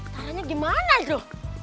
taranya gimana itu